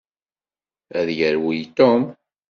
Ad yerwel Tom.